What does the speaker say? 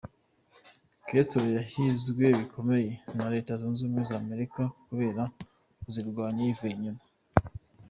Castro yahizwe bikomeye na Leta zunze ubumwe z’Amerika kubera kuzirwanya yivuye inyuma.